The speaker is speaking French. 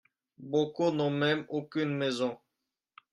Beaucoup n’ont même aucune maison.